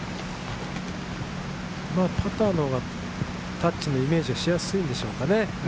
パターのほうがタッチのイメージがしやすいでしょうかね。